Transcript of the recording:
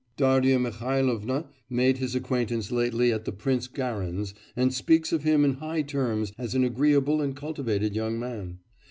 Darya Mihailovna made his acquaintance lately at the Prince Garin's, and speaks of him in high terms as an agreeable and cultivated young man.